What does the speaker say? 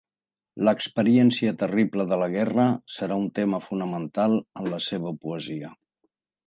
L'experiència terrible de la guerra serà un tema fonamental en la seva poesia.